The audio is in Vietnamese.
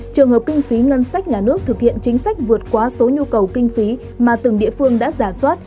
trường hợp kinh phí ngân sách nhà nước thực hiện chính sách vượt quá số nhu cầu kinh phí mà từng địa phương đã giả soát